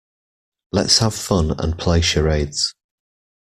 Let's have fun and play charades.